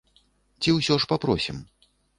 Ці ўсё ж папросім?